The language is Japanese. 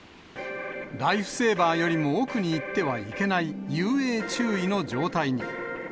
ライフセーバーよりも奥に行ってはいけない遊泳注意の状態に。